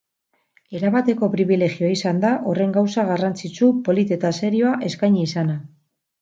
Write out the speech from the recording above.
Erabateko pribilegioa izan da horren gauza garrantzitsu, polit eta serioa eskaini izana.